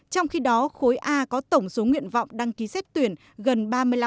trong khi đó khối a có tổng số nguyện vọng đăng ký xét tuyển gần ba mươi năm